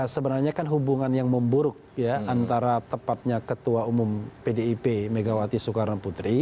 sebenarnya kan hubungan yang memburuk ya antara tepatnya ketua umum pdip megawati soekarno putri